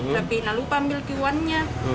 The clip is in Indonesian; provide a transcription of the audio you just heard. tapi nggak lupa ambil ke uannya